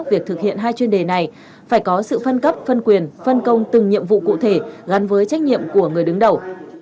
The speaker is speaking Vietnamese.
việc thực hiện hai chuyên đề này phải có sự phân cấp phân quyền phân công từng nhiệm vụ cụ thể gắn với trách nhiệm của người đứng đầu